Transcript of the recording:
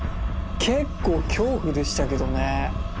結構恐怖でしたけどね。